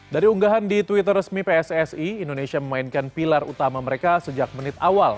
dari unggahan di twitter resmi pssi indonesia memainkan pilar utama mereka sejak menit awal